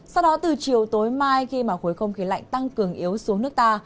sau đó từ chiều tối mai khi mà khối không khí lạnh tăng cường yếu xuống nước ta